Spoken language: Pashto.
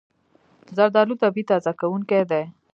زردالو طبیعي تازه کوونکی دی.